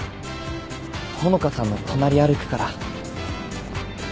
穂香さんの隣歩くから。